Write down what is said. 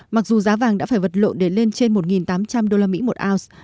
mặc dù giá vàng đã phải vật lộn để lên trên một tám trăm linh usd một ounce